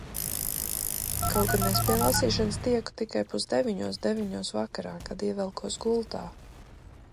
Kaut gan es pie lasīšanas tieku tikai pusdeviņos – deviņos vakarā, kad ievelkos gultā.